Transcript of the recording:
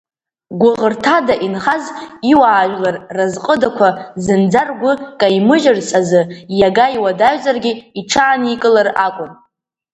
Гәыӷырҭада инхаз иуаажәлар разҟыдақәа зынӡа ргәы каимыжьырц азы иага иуадаҩзаргьы иҽааникылар акәын.